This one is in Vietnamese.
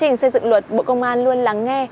trình xây dựng luật bộ công an luôn lắng nghe